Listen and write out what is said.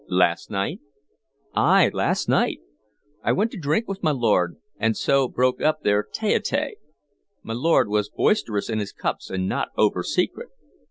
"Last night?" "Ay, last night. I went to drink with my lord, and so broke up their tete a tete. My lord was boisterous in his cups and not oversecret.